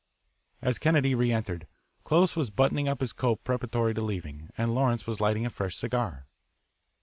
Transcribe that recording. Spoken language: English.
As Kennedy re entered, Close was buttoning up his coat preparatory to leaving, and Lawrence was lighting a fresh cigar.